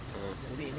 jadi ini menjadi